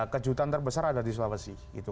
kejutan terbesar ada di sulawesi